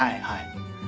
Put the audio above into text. はい。